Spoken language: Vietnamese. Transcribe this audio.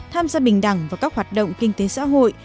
tham gia bình đẳng vào các hoạt động kinh tế xã hội